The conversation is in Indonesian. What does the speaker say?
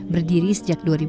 jadi lajin lajin membosong gigi